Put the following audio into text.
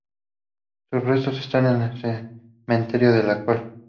Sus restos están el el Cementerio de la Col.